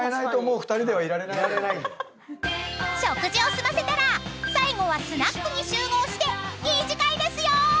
［食事を済ませたら最後はスナックに集合して二次会ですよ！］